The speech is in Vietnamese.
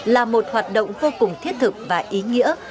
là một hoạt động vô cùng thiết thực và ý nghĩa